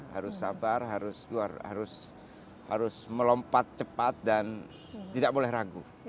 harus sabar harus melompat cepat dan tidak boleh ragu